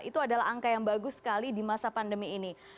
itu adalah angka yang bagus sekali di masa pandemi ini